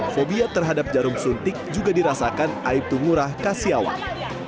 fobia terhadap jarum suntik juga dirasakan aibda ngurah kasiawang